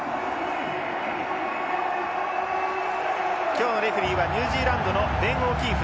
今日のレフリーはニュージーランドのベンオキーフです。